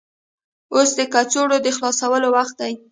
اوس د کڅوړو د خلاصولو وخت دی.